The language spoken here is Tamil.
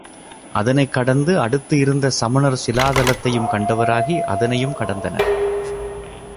அதனைக் கடந்து அடுத்து இருந்த சமணர் சிலாதலத்தையும் கண்டவராகி அதனையும் கடந்தனர்.